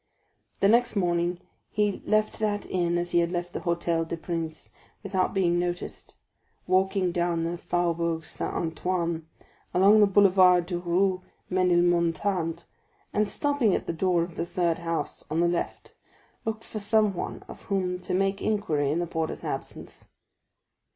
The next morning he left that inn as he had left the Hôtel des Princes, without being noticed, walked down the Faubourg Saint Antoine, along the boulevard to Rue Ménilmontant, and stopping at the door of the third house on the left looked for someone of whom to make inquiry in the porter's absence.